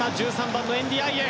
１３番のエンディアイエ。